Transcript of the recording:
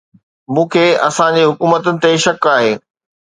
مون کي اسان جي حڪومتن تي شڪ آهي